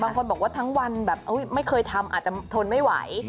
บางคนบอกว่าทั้งวันแบบไม่เคยทำอาจจะทนไม่ไหว